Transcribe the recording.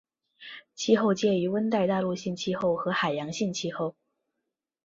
气候介于温带大陆性气候和海洋性气候。